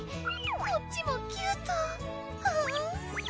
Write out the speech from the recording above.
こっちもキュート！